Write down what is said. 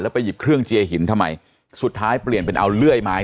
ไปหยิบเครื่องเจียหินทำไมสุดท้ายเปลี่ยนเป็นเอาเลื่อยไม้